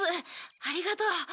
ありがとう。